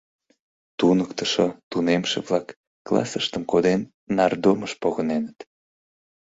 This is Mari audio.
Туныктышо, тунемше-влак, классыштым коден, нардомыш погыненыт.